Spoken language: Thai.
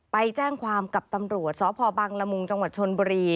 ไปแจ้งความกับตำรวจสพบังลมุงจชนบรี